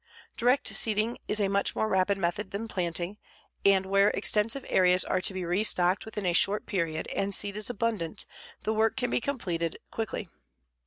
Direct seeding is a much more rapid method than planting, and where extensive areas are to be restocked within a short period and seed is abundant, the work can be completed quickly.